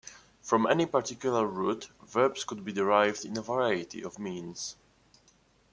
From any particular root, verbs could be derived in a variety of means.